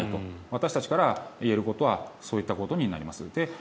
私たちから言えることはそういったことになります。